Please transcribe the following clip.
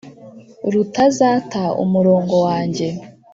rutazata umurongo wanjye